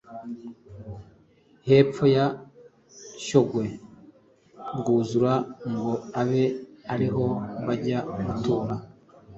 hepfo ya Shyogwe rwuzura ngo abe ariho bajya gutura.